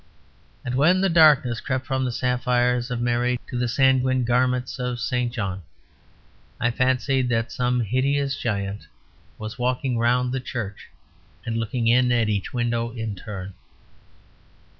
And when the darkness crept from the sapphires of Mary to the sanguine garments of St. John I fancied that some hideous giant was walking round the church and looking in at each window in turn.